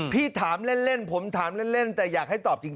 พี่ถามเล่นผมถามเล่นแต่อยากให้ตอบจริง